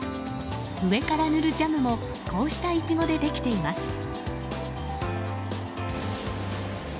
上から塗るジャムもこうしたイチゴでできています。